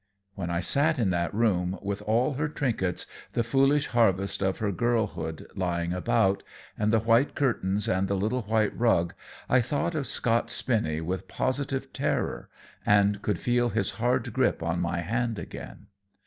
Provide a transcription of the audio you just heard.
When I sat in that room with all her trinkets, the foolish harvest of her girlhood, lying about, and the white curtains and the little white rug, I thought of Scott Spinny with positive terror and could feel his hard grip on my hand again.